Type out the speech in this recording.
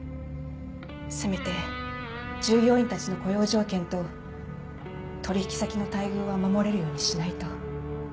せめて従業員たちの雇用条件と取引先の待遇は守れるようにしないと。